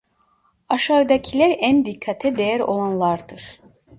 Aşağıdakiler en dikkate değer olanlardır: